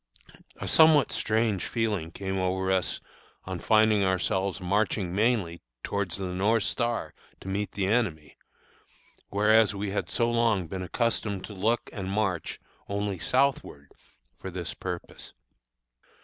A somewhat strange feeling came over us on finding ourselves marching mainly towards the North Star to meet the enemy, whereas we had so long been accustomed to look and march only southward for this purpose.